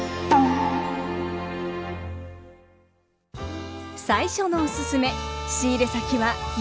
最初のおすすめ仕入れ先は茨城。